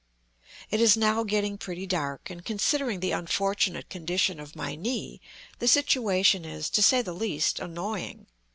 It is now getting pretty dark, and considering the unfortunate condition of my knee, the situation is, to say the least, annoying.